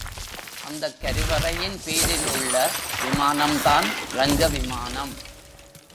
அந்தக் கருவறையின் பேரில் உள்ள விமானம்தான் ரங்கவிமானம்.